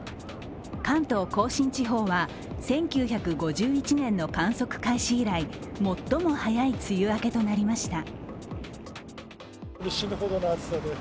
関東甲信地方は１９５１年の観測開始以来最も早い梅雨明けとなりました。